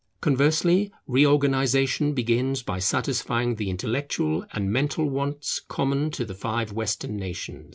Conversely, reorganization begins by satisfying the intellectual and mental wants common to the five Western nations.